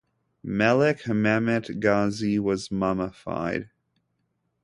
Melik Mehmet Gazi was mummified.